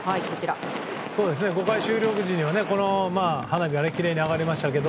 ５回終了時には花火がきれいに上がりました。